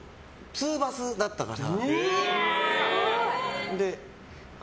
ツーバスだったから。